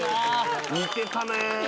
似てたね。